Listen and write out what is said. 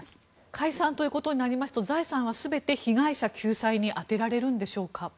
解散ということになりますと財産は全て被害者救済に充てられるんでしょうか。